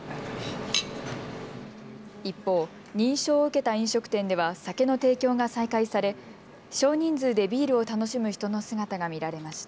一方、認証を受けた飲食店では酒の提供が再開され少人数でビールを楽しむ人の姿が見られました。